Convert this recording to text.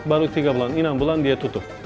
baru tiga bulan enam bulan dia tutup